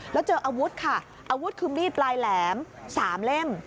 แล้วเจออาวุธค่ะอาวุธคือมีดปลายแหลม๓เล่ม